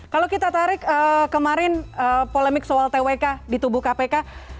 kalau kita tarik kemarin polemik soal twk di tubuh kpk